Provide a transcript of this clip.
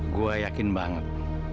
gue yakin banget